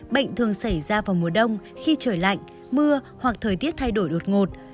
bệnh thường xảy ra vào mùa đông khi trời lạnh mưa hoặc thời tiết thay đổi đột ngột